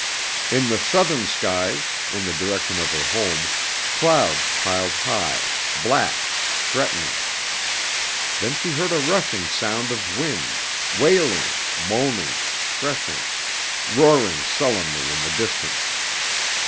In the southern skies, in the direction of her home, clouds piled high, black, threatening. Then she heard a rushing sound of wind, wailing, moaning, threshing, roaring sullenly in the distance.